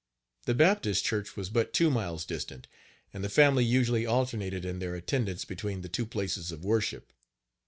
The Baptist church was but two miles distant, and the family usually alternated in their attendance between the two places of worship.